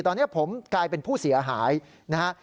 ตอนนี้ผมกลายเป็นผู้เสียหายนะฮะ